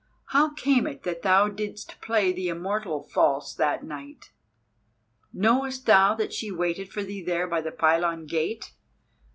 How came it that thou didst play the Immortal false that night? Knowest thou that she waited for thee there by the pylon gate?